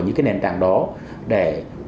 những nền tảng đó để